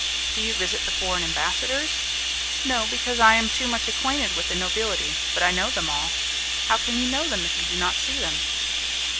"Do you visit the foreign ambassadors?" "No, because I am too much acquainted with the nobility; but I know them all." "How can you know them if you do not see them?"